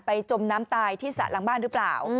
จมน้ำตายที่สระหลังบ้านหรือเปล่า